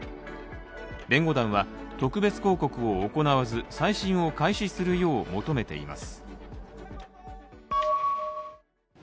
弁護団は、特別抗告を行わず再審を開始するよう求めています。